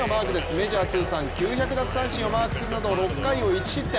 メジャー通算９００奪三振をマークするなど６回を１失点。